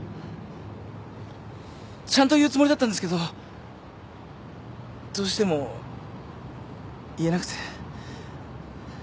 ちゃんと言うつもりだったんですけどどうしても言えなくて。